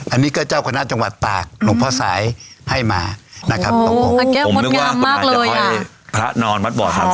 อันนี้ก็เจ้าคณะจังหวัดตากหลวงพ่อสายให้มานะครับตรงผม